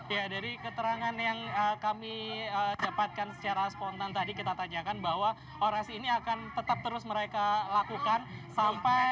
ya dari keterangan yang kami dapatkan secara spontan tadi kita tanyakan bahwa orasi ini akan tetap terus mereka lakukan sampai